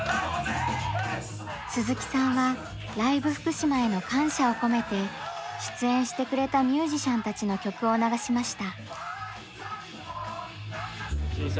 鈴木さんは「ＬＩＶＥ福島」への感謝を込めて出演してくれたミュージシャンたちの曲を流しました。